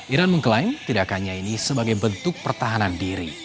iran mengklaim tidak hanya ini sebagai bentuk pertahanan diri